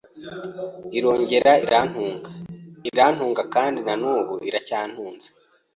irongera irantunga, irantunga kandi na n’ubu iracyantunze